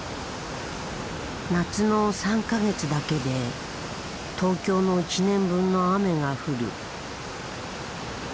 夏の３か月だけで東京の１年分の雨が降る。